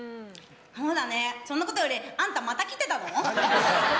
そうだね、そんなことよりあんた、また来てたの？来ましたよ。